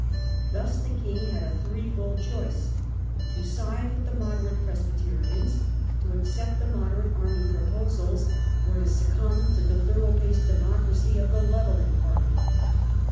Thus the king had a threefold choice, to side with the moderate Presbyterians, to accept the moderate army proposals, or to succumb to the thorough paced democracy of the " levelling " party.